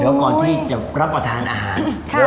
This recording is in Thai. เดี๋ยวก่อนที่จะรับประทานอาหาร